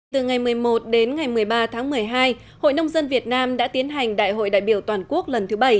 từ ngày một mươi một đến ngày một mươi ba tháng một mươi hai hội nông dân việt nam đã tiến hành đại hội đại biểu toàn quốc lần thứ bảy